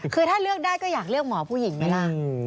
คือถ้าเลือกได้ก็อยากเลือกหมอผู้หญิงไหมล่ะ